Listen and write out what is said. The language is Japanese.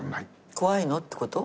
怖いのってこと？